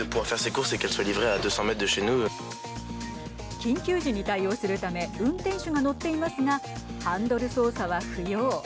緊急時に対応するため運転手が乗っていますがハンドル操作は不要。